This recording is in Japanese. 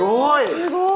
すごい！